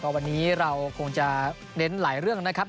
วันนี้เราคงจะเน้นหลายเรื่องนะครับ